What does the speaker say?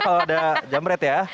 kalau ada jamret ya